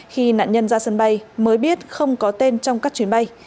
khi nạn nhân ra sân bay mới biết không có tên trong các chuyến bay